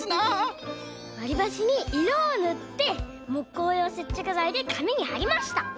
わりばしにいろをぬってもっこうようせっちゃくざいでかみにはりました。